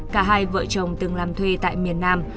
cả hai vợ chồng từng làm thuê tại miền nam